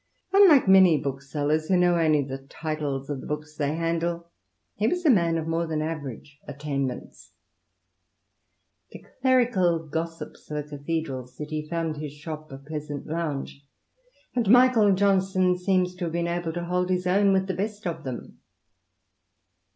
Unlike man booksellers who know only the titles of the books the handle, he was a man of more than average attainmentst— INTRODUCTION. iii clerical gossips of a cathedral city found his shop a sant lounge, and Michael Johnson seems to have been to hold his own with the best of them.